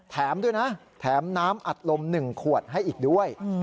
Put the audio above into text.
แถมด้วยนะแถมน้ำอัดลม๑ขวดให้อีกด้วย